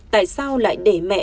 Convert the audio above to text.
tại sao lại để mẹ